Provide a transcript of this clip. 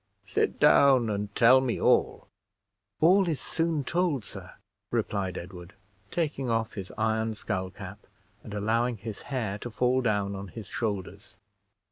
Sit down and tell me all." "All is soon told, sir," replied Edward, taking off his iron skull cap, and allowing his hair to fall down on his shoulders.